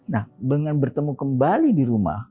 nah dengan bertemu kembali di rumah